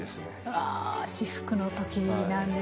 ああ至福の時なんですね。